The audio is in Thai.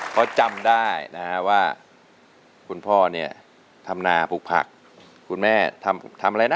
เพราะจำได้นะฮะว่าคุณพ่อเนี่ยทำนาปลูกผักคุณแม่ทำอะไรนะ